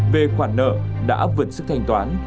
về khoản nợ đã ấp vật sức thành toán